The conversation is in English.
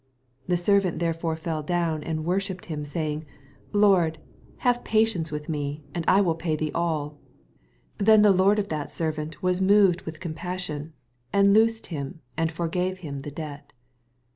26 The servant therefore fell down, and worshipped him, saying, Lord| MATTHEW, CHAP. XVUI. 229 have patience with me, and I wiU pay thee all. 27 Then the lord of that servant was moved with compassion, and loosed ]^im. and forgave nim the debt.